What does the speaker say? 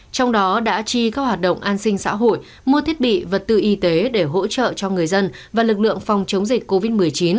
trong đó đã chi các hoạt động an sinh xã hội mua thiết bị vật tư y tế để hỗ trợ cho người dân và lực lượng phòng chống dịch covid một mươi chín